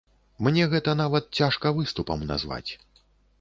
Мне гэта нават цяжка выступам назваць.